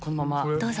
どうぞ。